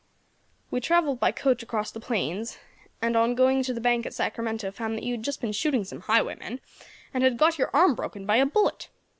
"We travelled by coach across the plains, and on going to the bank at Sacramento found that you had been just shooting some highwaymen, and had got your arm broken by a bullet.